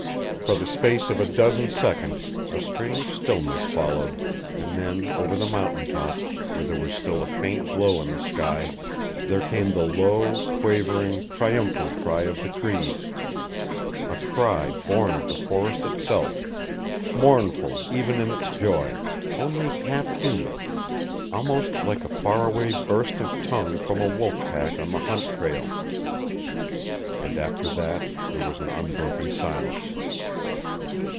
For the space of a dozen seconds a strange stillness followed, and then over the mountain top, where there was still a faint glow in the sky, there came the low, quavering, triumphal cry of the Crees: a cry born of the forest itself, mournful even in its joy, only half human almost like a far away burst of tongue from a wolf pack on the hunt trail. And after that there was an unbroken silence.